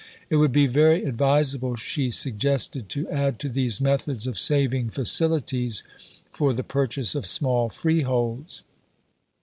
It would be very advisable, she suggested, to add to these methods of saving facilities for the purchase of small freeholds.